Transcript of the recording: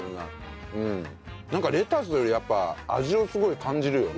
なんかレタスよりやっぱ味をすごい感じるよね。